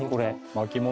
巻物？